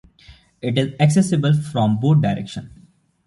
It is accessible from both directions.